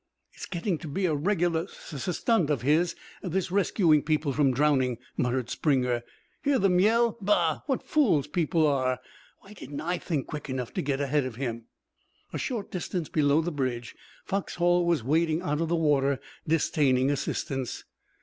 "It's getting to be a regular sus stunt of his, this rescuing people from drowning," muttered Springer. "Hear them yell! Bah! What fools people are! Why didn't I think quick enough to get ahead of him!" A short distance below the bridge Foxhall was wading out of the water, disdaining assistance.